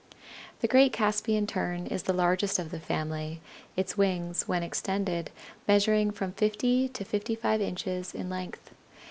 C. C. M. The great Caspian Tern is the largest of the family, its wings, when extended, measuring from fifty to fifty five inches in length.